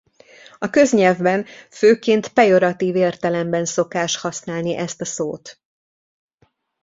A köznyelvben főként pejoratív értelemben szokás használni ezt a szót.